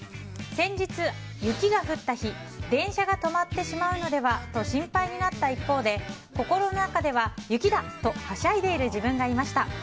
先日、雪が降った日電車が止まってしまうのではと心配になった一方で心の中では雪だ！とはしゃいでいる自分がいました。